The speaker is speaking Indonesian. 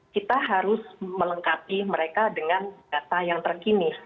kita harus melengkapi mereka dengan data yang terkini